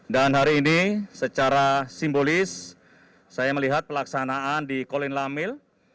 dan hari ini secara simbolis saya melihat pelaksanaan di kolin lamil